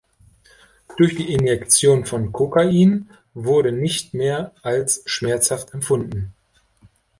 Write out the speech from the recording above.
Durch die Injektion von Kokain wurde nicht mehr als schmerzhaft empfunden.